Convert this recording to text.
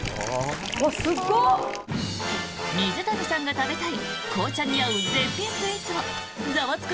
水谷さんが食べたい紅茶に合う絶品スイーツを「ザワつく！」